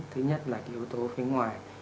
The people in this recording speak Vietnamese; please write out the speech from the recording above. thứ nhất là cái yếu tố phía ngoài